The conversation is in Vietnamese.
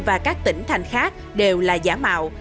và các tỉnh thành khác đều là giả mạo